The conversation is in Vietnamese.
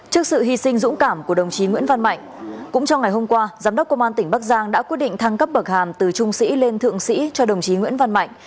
trước sự hy sinh dũng cảm của đồng chí nguyễn văn mạnh cũng trong ngày hôm qua giám đốc công an tỉnh bắc giang đã quyết định thăng cấp bậc hàm từ trung sĩ lên thượng sĩ cho đồng chí nguyễn văn mạnh